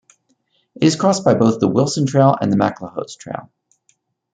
It is crossed by both the Wilson Trail and the MacLehose Trail.